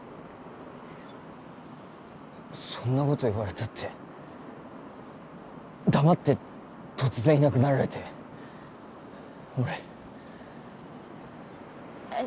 そんなこと言われたって黙って突然いなくなられて俺えっ？